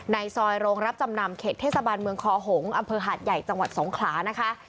ในซอยโรงรับจำนำเขตเทศบาลเมืองคอหงษ์อำเภอหาดใหญ่จังหวัดสงขลานะคะ